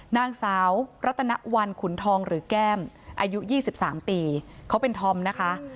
นางสาวรัตนวันขุนทองหรือแก้มอายุ๒๓ปีเขาเป็นธอมนะคะ